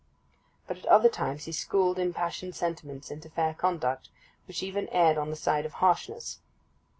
But at other times he schooled impassioned sentiments into fair conduct, which even erred on the side of harshness.